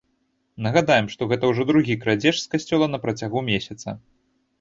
Нагадаем, што гэта ўжо другі крадзеж з касцёла на працягу месяца.